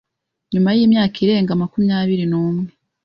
Nyuma y’imyaka irenga makumyabiri numwe